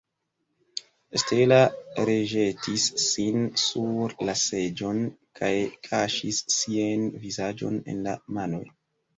Stella reĵetis sin sur la seĝon kaj kaŝis sian vizaĝon en la manoj.